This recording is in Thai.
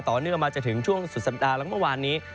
เนื่องมาจนถึงช่วงสุดสัปดาห์แล้วก็เมื่อวานนี้